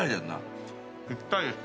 ぴったりです。